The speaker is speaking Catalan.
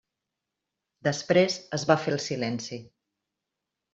Després es va fer el silenci.